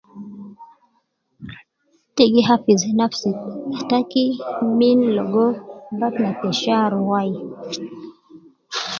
Te gihafiz nafsi taki min logo bahtna te shar wai